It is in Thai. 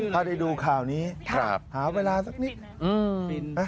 ถ้าได้ดูข่าวนี้หาเวลาสักนิด